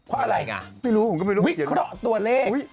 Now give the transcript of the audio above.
วิเคราะห์ตัวเลข